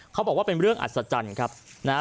เขาบอกว่าเป็นเรื่องอัศจรรย์ครับนะฮะ